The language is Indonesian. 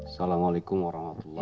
assalamualaikum warahmatullahi wabarakatuh